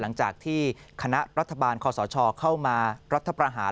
หลังจากที่คณะรัฐบาลคอสชเข้ามารัฐประหาร